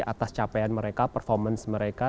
atas capaian mereka performance mereka